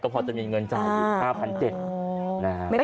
ก็พอจะมีเงินจ่ายอยู่๕๗๐๐บาท